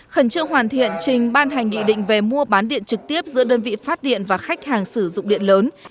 khẩn trương hoàn thiện trình ban hành nghị định về mua bán điện trực tiếp giữa đơn vị phát điện và khách hàng sử dụng điện lớn